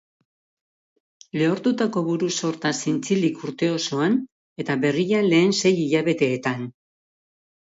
Lehortutako buru-sorta zintzilik urte osoan, eta berria lehen sei hilabeteetan.